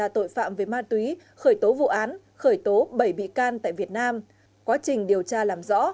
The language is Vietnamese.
tội phạm về ma túy khởi tố vụ án khởi tố bảy bị can tại việt nam quá trình điều tra làm rõ